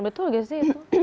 betul nggak sih itu